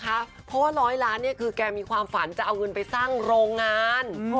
เพราะว่าร้อยล้านคือแกมีความฝันจะเอาเงินไปสร้างโรงงาน